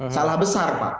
salah besar pak